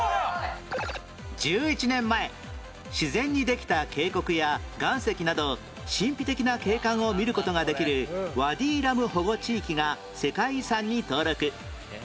１１年前自然にできた渓谷や岩石など神秘的な景観を見る事ができるワディ・ラム保護地域が世界遺産に登録